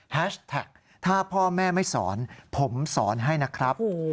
แท็กถ้าพ่อแม่ไม่สอนผมสอนให้นะครับ